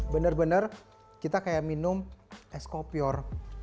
bener bener kita kaya minum es kopior